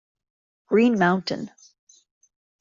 Green Mountain